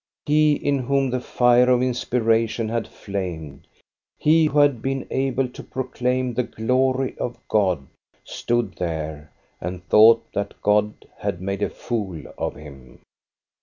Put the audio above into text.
He in whom the fire of inspiration had flamed, he who had been able to proclaim the glory of God, stood there and thought that God had made a fool of him.